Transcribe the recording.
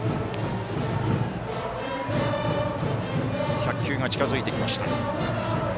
１００球が近づいてきました。